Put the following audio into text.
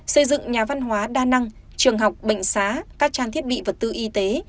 xây dựng nhà văn hóa đa năng trường học bệnh xá các trang thiết bị vật tư y tế